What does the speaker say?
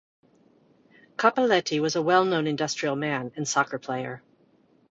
Cappelletti was a well-known industrial man and soccer player.